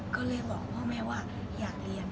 ก็เลยบอกพ่อแม่ว่าอยากเรียน